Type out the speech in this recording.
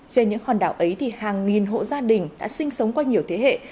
trên những hòn đảo ấy thì hàng nghìn hộ gia đình đã sinh sống qua nhiều thế hệ